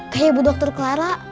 seperti bu dokter clara